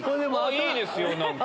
いいですよ何か。